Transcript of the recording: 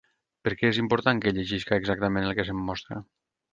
Per què és important que llegisca exactament el que se'm mostra?